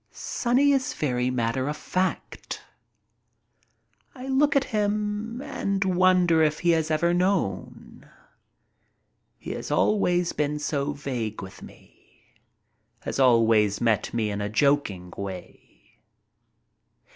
Sonny is very matter of fact. I look at him and wonder if he has ever known. He has always been so vague with me. Has always met me in a joking way.